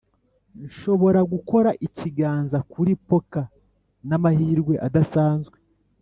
nshobora gukora ikiganza kuri poker n'amahirwe adasanzwe